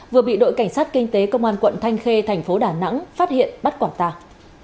vừa bị đội cảnh sát kinh tế công an quận thanh khê thành phố đà nẵng phát hiện bắt quả tàng